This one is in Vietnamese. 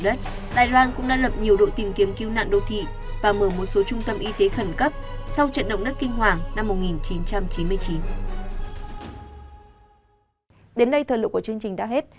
đến đây thời lượng của chương trình đã hết